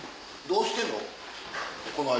どうしてんの？